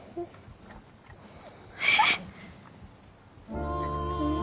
えっ？